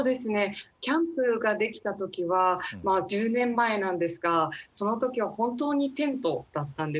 キャンプが出来た時はまあ１０年前なんですがその時は本当にテントだったんですね。